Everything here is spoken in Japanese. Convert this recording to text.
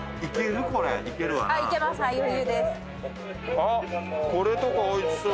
あっこれとかおいしそう。